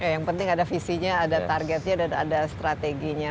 yang penting ada visinya ada targetnya dan ada strateginya